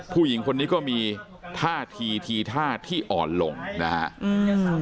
ผู้หญิงคนนี้ก็มีท่าทีทีท่าที่อ่อนลงนะฮะอืม